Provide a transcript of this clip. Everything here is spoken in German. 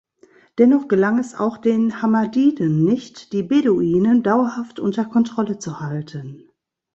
Dennoch gelang es auch den Hammadiden nicht, die Beduinen dauerhaft unter Kontrolle zu halten.